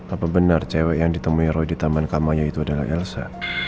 apa benar cewek yang ditemui roy di taman kamayo itu adalah elsa